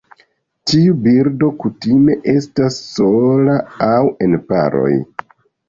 Tiu birdo kutime estas sola aŭ en paroj.